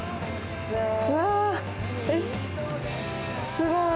すごい。